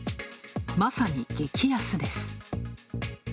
まさに激安です。